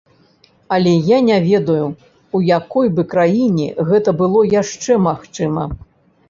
Але я не ведаю, у якой бы краіне гэта было яшчэ магчыма.